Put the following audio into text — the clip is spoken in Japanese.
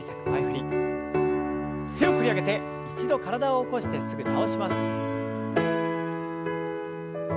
強く振り上げて一度体を起こしてすぐ倒します。